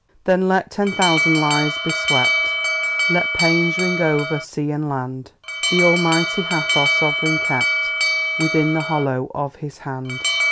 Then let ten thousand lyres be swept, Let paeans ring o'er sea and land The Almighty hath our Sovereign kept Within the hollow of His hand!